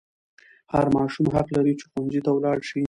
هر ماشوم حق لري چې ښوونځي ته ولاړ شي.